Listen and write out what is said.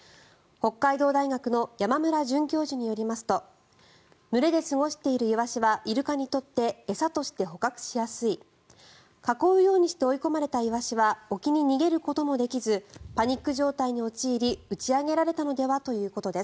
北海道大学の山村准教授によりますと群れで過ごしているイワシはイルカにとって餌として捕獲しやすい囲うようにして追い込まれたイワシは沖に逃げることもできずパニック状態に陥り打ち上げられたのではということです。